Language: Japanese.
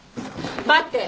待って！